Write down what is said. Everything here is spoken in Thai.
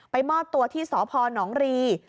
มอบตัวที่สพนรี